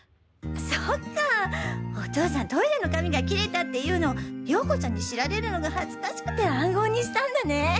そっかお父さんトイレの紙が切れたって言うのをヨーコちゃんに知られるのが恥ずかしくて暗号にしたんだね。